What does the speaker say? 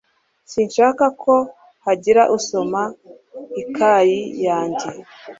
Sinshaka ko hagira usoma ikayi yanjye.